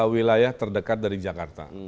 wilayah terdekat dari jakarta